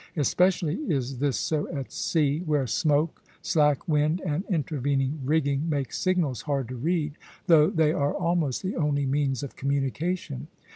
Especially is this so at sea, where smoke, slack wind, and intervening rigging make signals hard to read, though they are almost the only means of communication.